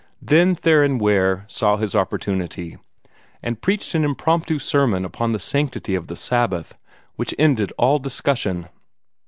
Then Theron Ware saw his opportunity, and preached an impromptu sermon upon the sanctity of the Sabbath, which ended all discussion.